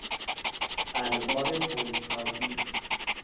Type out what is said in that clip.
الوار پلسازی